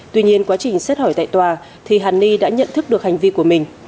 tuy nhiên quá trình xét hỏi tại tòa thì hàn ni đã nhận thức được hành vi của mình